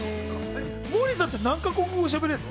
モーリーさん、何か国語しゃべれるの？